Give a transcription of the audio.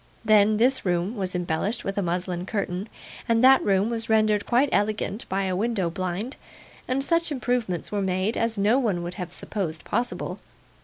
Then, this room was embellished with a muslin curtain, and that room was rendered quite elegant by a window blind, and such improvements were made, as no one would have supposed possible.